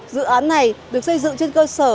dự án này được xây dựng trên các đường sắt việt nam